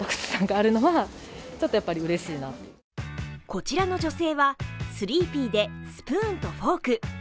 こちらの女性はスリーピーでスプーンとフォーク